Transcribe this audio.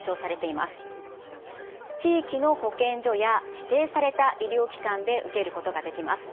地域の保健所や指定された医療機関で受けることができます。